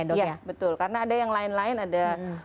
iya dong betul karena ada yang lain lain ada